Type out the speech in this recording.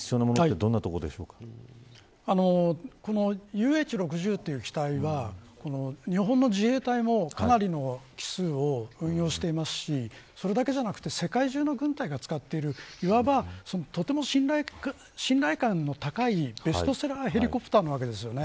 究明のために必要なものはＵＨ６０という機体は日本の自衛隊のかなりの機数を運用していますしそれだけではなく世界中の軍隊が使っているとても信頼感の高いベストセラーヘリコプターです。